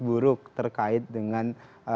buruk terkait dengan